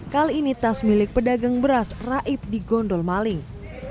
kali ini tas milik pedagang beras raib di gondol maling